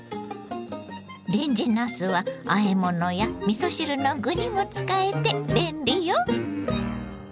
レンジなすはあえ物やみそ汁の具にも使えて便利よ。